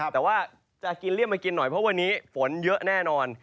แต่ว่าจะกินเลี่ยมมากินหน่อยเพราะวันนี้ฝนเยอะแน่นอน